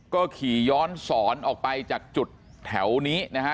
ก็ขี่ย้อนสอนออกไปจากจุดแถวนี้นะฮะ